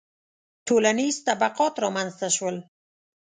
• ټولنیز طبقات رامنځته شول